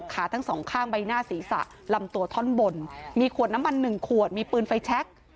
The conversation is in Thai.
ขาทั้งสองข้างใบหน้าศีรษะลำตัวท่อนบนมีขวดน้ำมัน๑ขวดมีปืนไฟแชค